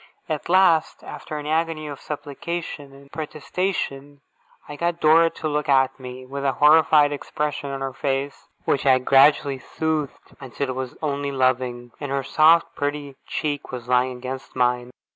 At last, after an agony of supplication and protestation, I got Dora to look at me, with a horrified expression of face, which I gradually soothed until it was only loving, and her soft, pretty cheek was lying against mine.